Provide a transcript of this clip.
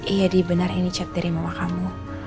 iya di benar ini chat dari mama kamu